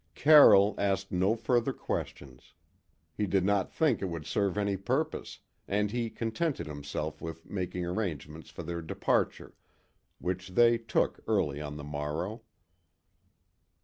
Carroll asked no further questions. He did not think it would serve any purpose, and he contented himself with making arrangements for their departure, which they took early on the morrow.